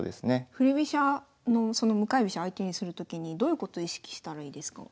振り飛車のその向かい飛車相手にするときにどういうこと意識したらいいですか？